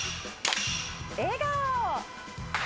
笑顔。